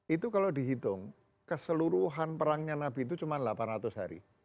itu kalau dihitung keseluruhan perangnya nabi itu cuma delapan ratus hari